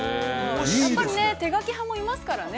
◆やっぱり手書き派もいますからね。